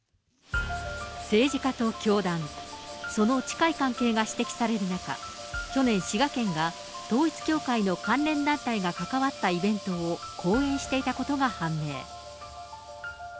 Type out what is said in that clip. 政治家と教団、その近い関係が指摘される中、去年、滋賀県が統一教会の関連団体が関わったイベントを後援していたことが判明。